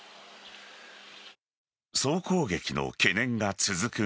総攻撃の懸念が続く